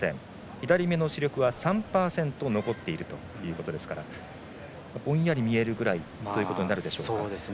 左目の視力は３％残っているということですからぼんやり見えるぐらいとなるでしょうか。